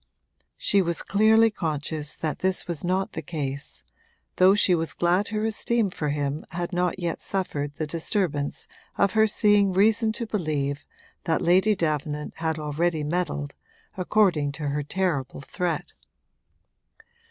She was clearly conscious that this was not the case; though she was glad her esteem for him had not yet suffered the disturbance of her seeing reason to believe that Lady Davenant had already meddled, according to her terrible threat.